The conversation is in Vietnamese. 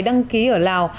đăng ký ở lào